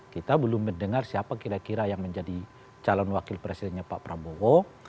kita belum mendengar siapa kira kira yang menjadi calon wakil presidennya pak prabowo